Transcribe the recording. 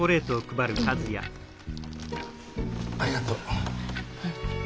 ありがとう。